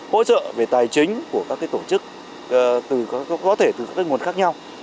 hỗ trợ về tài chính của các cái tổ chức từ có thể từ các nguồn khác nhau